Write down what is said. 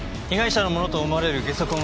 被害者のものと思われる下足